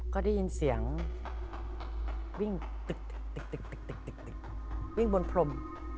ก็ได้ยินเสียงวิ่งตึกวิ่งบนพรม